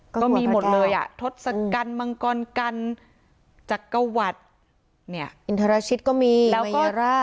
ก็มีหมดเลยทศกัณฑ์มังกรกัณฑ์จักรวรรดิอินทรชิตก็มีมายารา